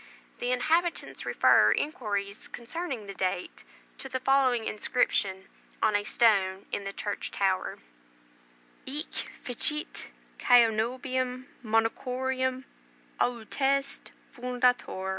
The inhabitants refer inquirers concerning the date to the following inscription on a stone in the church tower: "Hic fecit Caenobium Monachorum Auteste fundator.